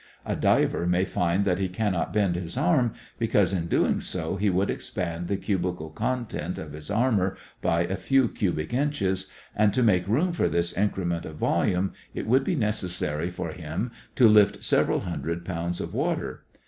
A diver may find that he cannot bend his arm, because in doing so he would expand the cubical content of his armor by a few cubic inches, and to make room for this increment of volume it would be necessary for him to lift several hundred pounds of water.